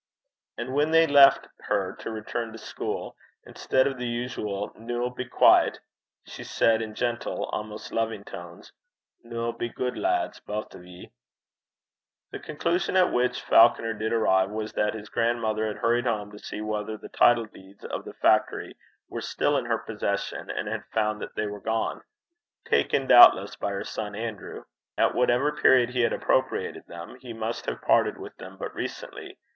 And when they left her to return to school, instead of the usual 'Noo be douce,' she said, in gentle, almost loving tones, 'Noo, be good lads, baith o' ye.' The conclusion at which Falconer did arrive was that his grandmother had hurried home to see whether the title deeds of the factory were still in her possession, and had found that they were gone taken, doubtless, by her son Andrew. At whatever period he had appropriated them, he must have parted with them but recently.